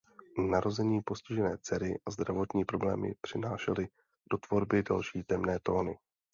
Narození postižené dcery a zdravotní problémy přinášely do tvorby další temné tóny.